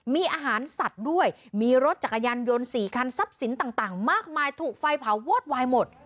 มีอาหารสัตว์ด้วยมีรถจักรยานยนต์๔คันทรัพย์สินต่างมากมายถูกไฟเผาวอดวายหมด